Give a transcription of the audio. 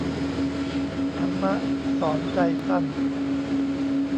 ธรรมะสอนใจสั้น